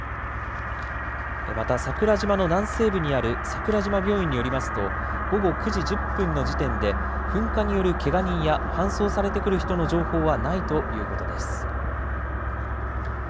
また、桜島の南西部にある桜島病院によりますと、午後９時１０分の時点で噴火によるけが人や搬送されてくる人の情報はないということです。